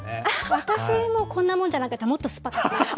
私も、こんなもんじゃなかった、もっと酸っぱかった。